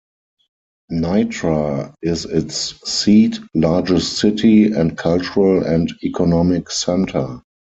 Nitra is its seat, largest city, and cultural and economic center.